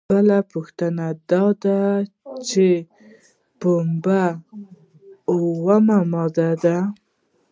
بله پوښتنه دا ده چې ایا پنبه اومه ماده ده؟